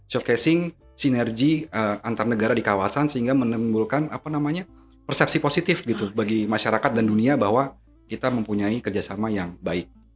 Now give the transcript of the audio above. showcasing sinergi antar negara di kawasan sehingga menimbulkan persepsi positif gitu bagi masyarakat dan dunia bahwa kita mempunyai kerjasama yang baik